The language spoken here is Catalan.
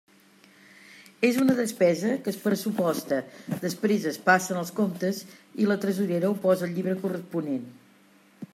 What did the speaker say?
És una despesa que es pressuposta, després es passen els comptes i la tresorera ho posa al llibre corresponent.